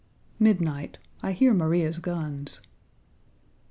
Midnight. I hear Maria's guns.